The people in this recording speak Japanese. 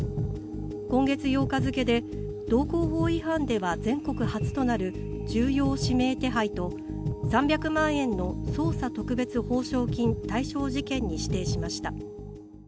今月８日付で道交法違反では全国初となる重要指名手配と３００万円の捜査特別報奨金対象事件に指定しました。